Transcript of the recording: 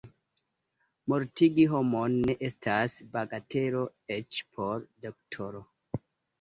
Mortigi homon ne estas bagatelo, eĉ por doktoro.